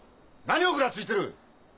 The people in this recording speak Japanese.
何をグラついてる。